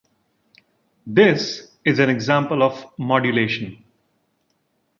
This is an example of modulation.